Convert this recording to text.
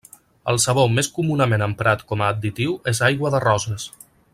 El sabor més comunament emprat com a additiu és aigua de roses.